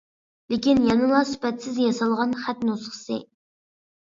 لېكىن يەنىلا سۈپەتسىز ياسالغان خەت نۇسخىسى.